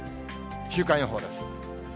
週間予報です。